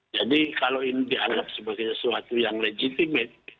jadi kalau ini dianggap sebagai sesuatu yang legitimate